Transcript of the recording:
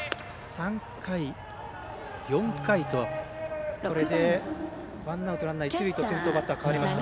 ３回、４回とこれでワンアウト、ランナー、一塁と変わりました。